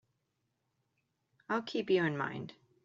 I'll keep you in mind.